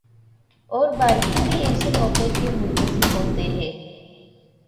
اور بھارتی بھی اسی موقع کے منتظر ہوتے ہیں۔